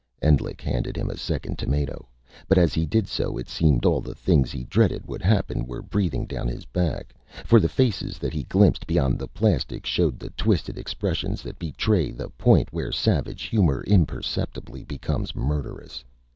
Endlich handed him a second tomato. But as he did so, it seemed all the things he dreaded would happen were breathing down his back. For the faces that he glimpsed beyond the plastic showed the twisted expressions that betray the point where savage humor imperceptibly becomes murderous.